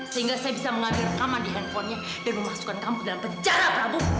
sehingga saya bisa mengambil rekaman di handphonenya dan memasukkan kamu dalam penjara prabu